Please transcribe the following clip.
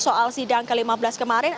soal sidang ke lima belas kemarin